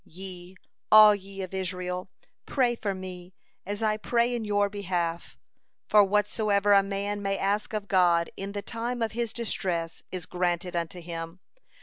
Ye, all ye of Israel, pray for me as I pray in your behalf. For whatsoever a man may ask of God in the time of his distress, is granted unto him.